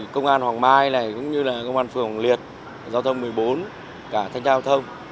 công an hoàng mai công an phường liệt giao thông một mươi bốn cả thanh trao thông